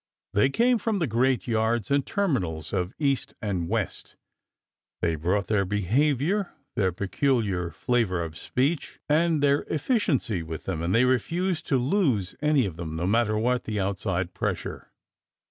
They came from the great yards and terminals of East and West, they brought their behavior, their peculiar flavor of speech, and their efficiency with them, and they refused to lose any of them, no matter what the outside pressure.